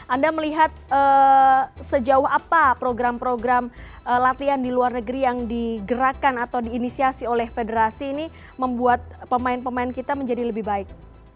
anda melihat sejauh apa program program latihan di luar negeri yang digerakkan atau diinisiasi oleh federasi ini membuat pemain pemain kita menjadi lebih baik